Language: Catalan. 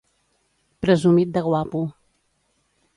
Presumit de guapo.